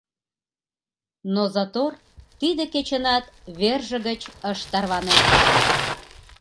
Но затор тиде кечынат верже гыч ыш тарване.